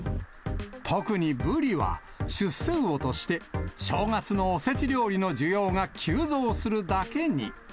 特にブリは、出世魚として、正月のおせち料理の需要が急増するだけに。